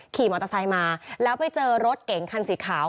ขี่มอเตอร์ไซค์มาแล้วไปเจอรถเก๋งคันสีขาว